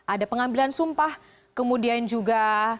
ada pengambilan sumpah kemudian juga